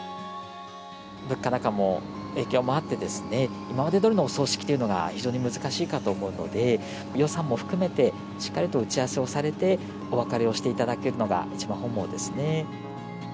物価高の影響もあってですね、今までどおりのお葬式というのが、非常に難しいかと思うので、予算も含めてしっかりと打ち合わせをされて、お別れをしていただけるのが、一番本望ですね。